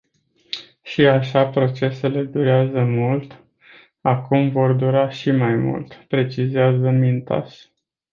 Și așa procesele durează mult, acum vor dura și mai mult, precizează Mintaș.